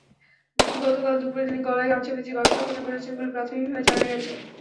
গতকাল দুপুরে তিনি গলায় গামছা পেঁচিয়ে আত্মহত্যা করেছেন বলে প্রাথমিকভাবে জানা গেছে।